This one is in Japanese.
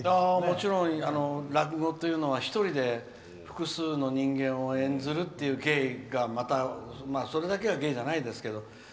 もちろん落語は１人で複数の人間を演ずるという芸がそれだけが芸じゃないですけど。